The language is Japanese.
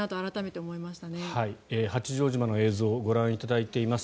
八丈島の映像をご覧いただいてます。